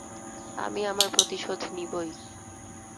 আমি আমার প্রতিশোধ নিবোই!